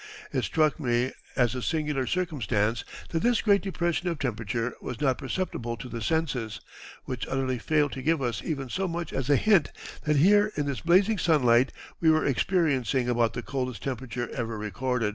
It struck me as a singular circumstance that this great depression of temperature was not perceptible to the senses, which utterly failed to give us even so much as a hint that here in this blazing sunlight we were experiencing about the coldest temperature ever recorded."